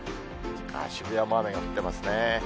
渋谷も雨が降ってますね。